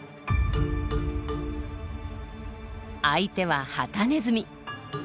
相手はハタネズミ。